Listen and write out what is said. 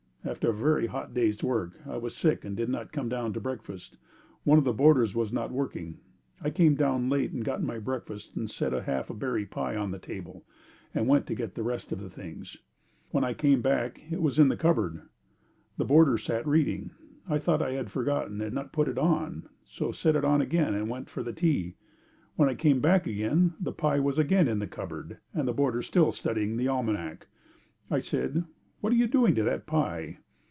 After a very hot day's work, I was sick and did not come down to breakfast. One of the boarders was not working. I came down late and got my breakfast. I set half of a berry pie on the table and went to get the rest of the things. When I came back, it was in the cupboard. The boarder sat reading. I thought I had forgotten and had not put it on, so set it on again and went for the tea. When I came back again, the pie was again in the cupboard and the boarder still studying the almanac. I said, "What are you doing to that pie?"